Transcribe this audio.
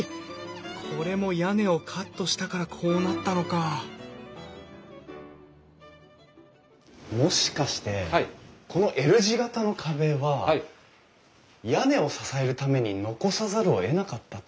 これも屋根をカットしたからこうなったのかもしかしてこのＬ字形の壁は屋根を支えるために残さざるをえなかったってことなんですか？